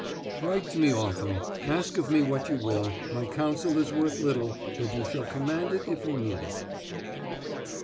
Write to me often; ask of me what you will; my counsel is worth little, but you shall command it if you need it.